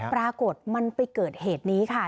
ปรากฏมันไปเกิดเหตุนี้ค่ะ